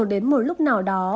rồi đến một lúc nào đó